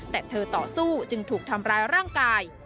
แต่เธอต่อสู้จึงถูกทำร้ายร่างกาย